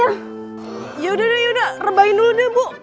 yaudah udah rebahin dulu deh bu